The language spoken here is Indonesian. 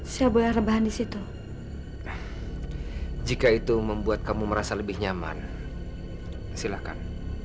saya boleh rebahan disitu jika itu membuat kamu merasa lebih nyaman silakan